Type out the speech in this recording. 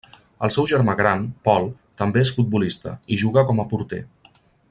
El seu germà gran, Pol, també és futbolista, i juga com a porter.